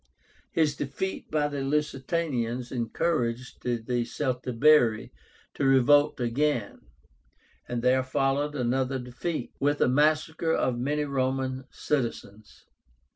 His defeat by the Lusitanians encouraged the Celtibéri to revolt again, and there followed another defeat, with a massacre of many Roman citizens.